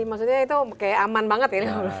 maksudnya itu kayak aman banget gitu